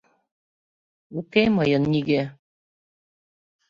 Уке мыйын нигӧ.